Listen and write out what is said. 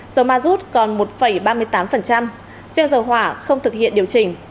dầu ma rút còn một ba mươi tám riêng dầu hỏa không thực hiện điều chỉnh